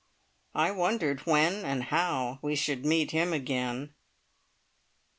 I wondered when and how we should meet him again.